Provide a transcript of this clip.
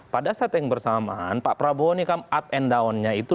pada saat yang bersamaan pak prabowo ini kan up and down nya itu dua ribu tujuh belas